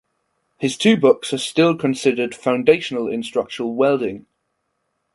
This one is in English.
His two books are still considered foundational in structural welding.